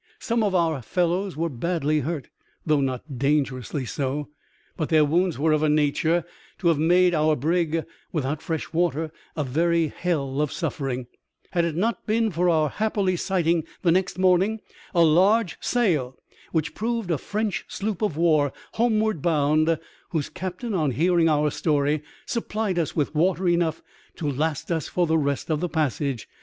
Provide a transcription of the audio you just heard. Some of our fellows were badly hurt, though not dangerously so ; but their wounds were of a nature to have made our brig, without fresh water, a very hell of suffering, had it not been for our happily sighting next morning a large sail, which proved a French sloop of war homeward bound, whose captain, on hearing our story, supplied us with water enough to last us for the rest of the passage.